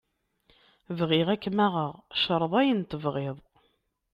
Bɣiɣ ad k-maɣeɣ, creḍ ayen tebɣiḍ.